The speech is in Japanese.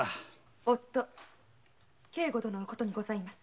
夫・圭吾殿のことにございます。